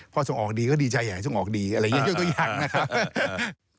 พอส่งออกดีก็ดีใจใหญ่ส่งออกดีอะไรอย่างนี้ยกตัวอย่างนะครับ